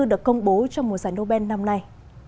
được công bố trong một giải nobel năm nay